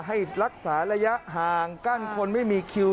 ให้รักษาระยะห่างกั้นคนไม่มีคิว